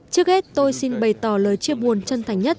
trước hết tôi xin bày tỏ lời chia buồn chân thành nhất